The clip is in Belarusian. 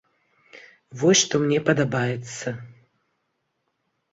Вось што мне падабаецца.